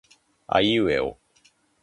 aiueo